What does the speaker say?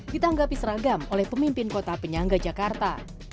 ditanggapi seragam oleh pemimpin kota penyangga jakarta